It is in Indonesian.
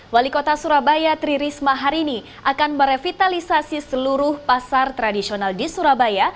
wali kota surabaya tri risma hari ini akan merevitalisasi seluruh pasar tradisional di surabaya